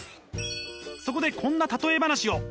そこでこんな例え話を。